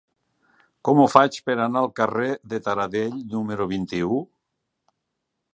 Com ho faig per anar al carrer de Taradell número vint-i-u?